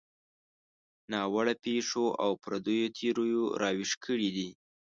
ناوړه پېښو او پردیو تیریو راویښ کړي دي.